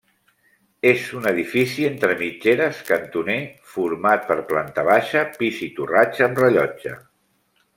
És un edifici entre mitgeres cantoner, format per planta baixa, pis i torratxa amb rellotge.